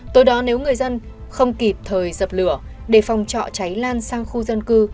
từ đó nếu người dân không kịp thời dập lửa để phòng trọ cháy lan sang khu dân cư